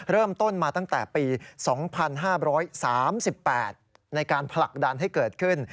เริ่มต้นมาตั้งแต่ปี๒๕๓๘ในการผลักดันให้เกิดขึ้น